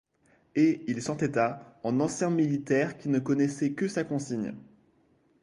Et il s’entêta, en ancien militaire qui ne connaissait que sa consigne.